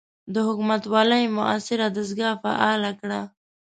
د حکومتوالۍ معاصره دستګاه فعاله کړه.